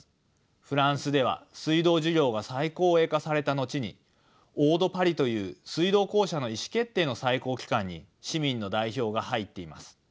フランスでは水道事業が再公営化された後にオー・ド・パリという水道公社の意思決定の最高機関に市民の代表が入っています。